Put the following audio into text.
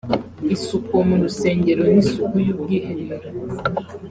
isuku mu rusengero n’isuku y’ubwiherero